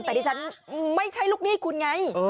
แต่ดิฉันไม่ใช่ลูกหนี้คุณไง